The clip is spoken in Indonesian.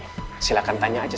dan emily seperti sekali